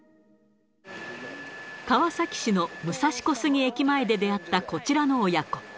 川崎市の武蔵小杉駅前で出会ったこちらの親子。